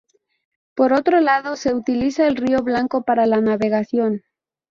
Por otro lado, se utiliza el río Blanco para la navegación.